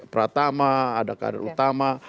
pratama ada kader utama